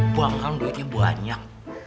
buang buang duitnya banyak